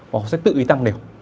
họ sẽ tự ý tăng liều